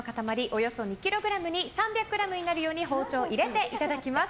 およそ２ｋｇに３００ｇになるように包丁を入れていただきます。